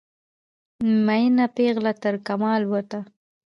میینه پیغله ترکمال ووته